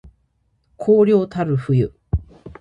荒涼たる冬